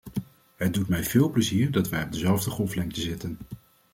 Het doet mij veel plezier dat wij op dezelfde golflengte zitten.